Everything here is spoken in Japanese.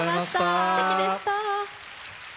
すてきでした。